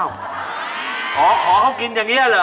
อ้าวขอเขากินอย่างเงี้ยเหรอ